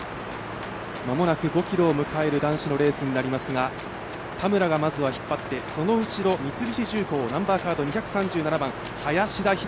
間もなく５ｋｍを迎える男子のレースになりますが、田村がまずは引っ張って、その後ろは三菱重工ナンバーカード２３７番林田